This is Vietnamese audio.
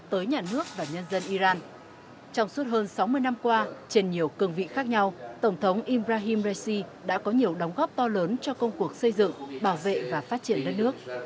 trong suốt hơn sáu mươi năm qua trên nhiều cường vị khác nhau tổng thống imrahim raisi đã có nhiều đóng góp to lớn cho công cuộc xây dựng bảo vệ và phát triển đất nước